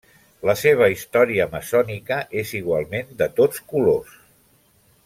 La seva història maçònica és igualment de tots colors.